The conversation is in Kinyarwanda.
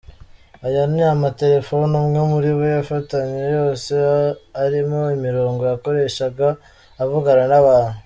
Aya ni amatelefone umwe muri bo yafatanywe, yose arimo imirongo yakoreshaga avugana n’abantu.